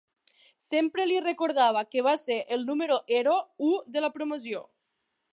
Sempre li recordava que va ser el número ero u de la promoció.